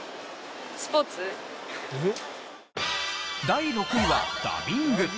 第６位はダビング。